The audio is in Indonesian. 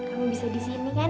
kamu bisa di sini kan